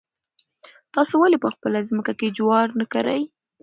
تاسو ولې په خپله ځمکه کې جوار نه کرئ؟